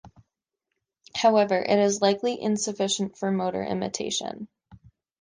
However, it is likely insufficient for motor imitation.